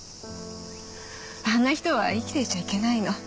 あんな人は生きていちゃいけないの。